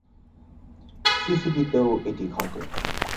সিসিডি-তেও এটি ঘটে।